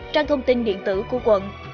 trang thông tin điện tử của quận